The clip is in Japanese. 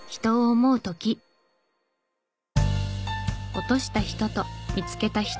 落とした人と見つけた人。